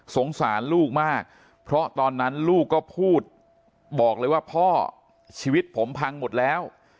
สงสารลูกมากเพราะตอนนั้นลูกก็พูดบอกเลยว่าพ่อชีวิตผมพังหมดแล้ว